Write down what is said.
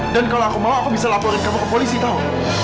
dan kalau aku mau aku bisa laporin kamu ke polisi tahu